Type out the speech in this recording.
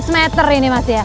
enam belas meter ini mas ya